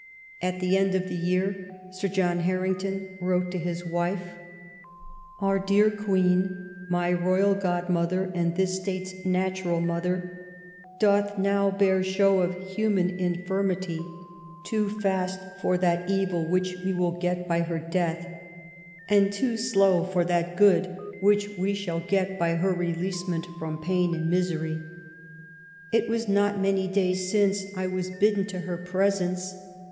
At the end of the year Sir John Harrington wrote to his wife :—Our dear Queen, my royal godmother, and this State's natural mother, doth now bear show of human infirmity, too fast for that evil which we shall LAST YEARS OF ELIZABETH. 299 get by her death, and too slow for that good which we shall get by her releasement from pain and misery. It was not many days since I was bidden to her presence.